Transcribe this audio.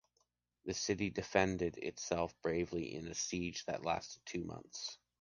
The city defended itself bravely in a siege that lasted two months.